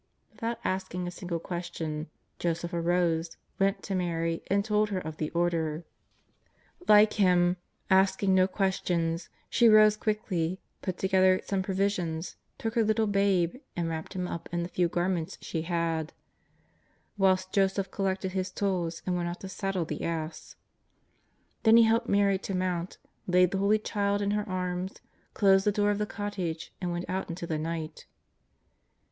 Without asking a single question, Joseph arose, went to Mary and told her of the order. Like him, asking no questions, she rose quickly, put together some provis ions, took her little Babe and wrapped Him up in the few garments she had, whilst Joseph collected his tools and went out to saddle the ass. Then he helped Mary to mount, laid the Holy Child in her arms, closed the door of the cottage and went out into the night.